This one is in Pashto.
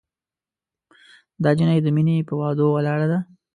دا جینۍ د مینې پهٔ وعدو ولاړه ده